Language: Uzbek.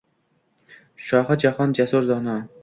Shohi Jahon jasur, dono